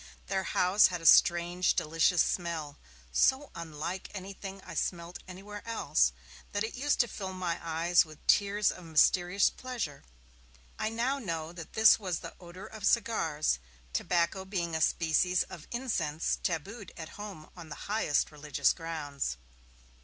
Their house had a strange, delicious smell, so unlike anything I smelt anywhere else, that it used to fill my eyes with tears of mysterious pleasure. I know now that this was the odour of cigars, tobacco being a species of incense tabooed at home on the highest religious grounds.